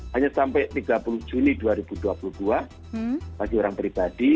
hanya sampai tiga puluh juni dua ribu dua puluh dua bagi orang pribadi